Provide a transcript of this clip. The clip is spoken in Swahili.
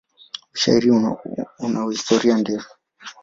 Ushairi una historia ndefu.